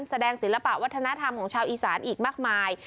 ศิลปะวัฒนธรรมของชาวอีสานอีกมากมาย